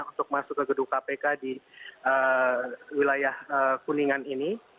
untuk masuk ke gedung kpk di wilayah kuningan ini